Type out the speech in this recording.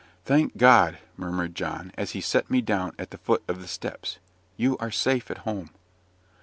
"Thank God!" murmured John, as he set me down at the foot of the steps. "You are safe at home."